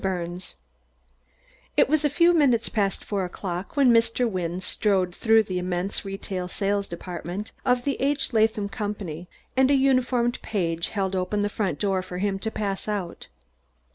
BIRNES It was a few minutes past four o'clock when Mr. Wynne strode through the immense retail sales department of the H. Latham Company, and a uniformed page held open the front door for him to pass out.